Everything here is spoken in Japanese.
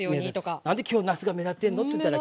何で今日なすが目立ってんのって言ったら。